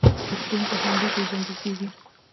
پښتون په همدې پیژندل کیږي.